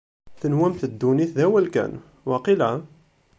Tenwamt ddunit d awal kan, waqila?